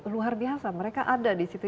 luar biasa mereka ada disitu